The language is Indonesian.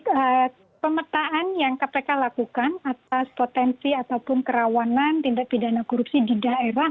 ini adalah pemetaan yang kpk lakukan atas potensi ataupun kerawanan tindak pidana korupsi di daerah